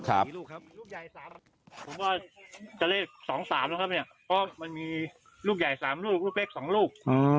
ผมว่าจะเลข๒๓นะครับเนี่ยมันมีลูกใหญ่๓ลูกลูกเล็ก๒ลูก